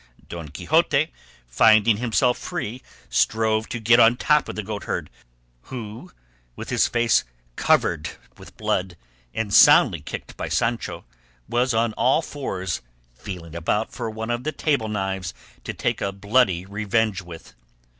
Don Quixote, finding himself free, strove to get on top of the goatherd, who, with his face covered with blood, and soundly kicked by Sancho, was on all fours feeling about for one of the table knives to take a bloody revenge with.